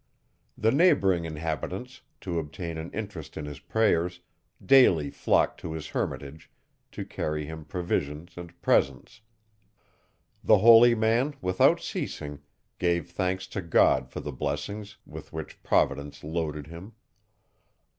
The neighbouring inhabitants, to obtain an interest in his prayers, daily flocked to his hermitage, to carry him provisions and presents. The holy man, without ceasing, gave thanks to God for the blessings, with which providence loaded him.